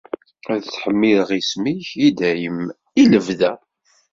Ad ttḥemmideɣ isem-ik i dayem, i lebda.